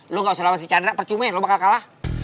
lo gak usah lawan si cadra percuma ya lo bakal kalah